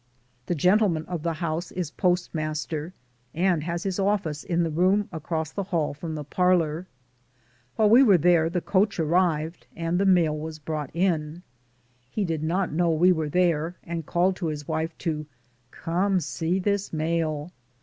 The gentleman of the house is postmaster, and has his office in the room across the hall from the parlor. While we were there the coach arrived, and the mail was brought in. He did not know we were there, and called to his wife to "Come see this mail."